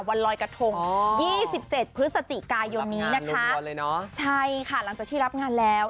วันลอยกระทง๒๗พฤศจิกายนนี้นะคะใช่ค่ะหลังจากที่รับงานแล้ว